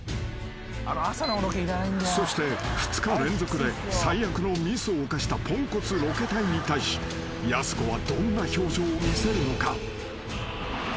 ［そして２日連続で最悪のミスを犯したぽんこつロケ隊に対しやす子はどんな表情を見せるのか？］